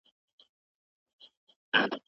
زدهکوونکي د ښوونځي علمي منابع کاروي.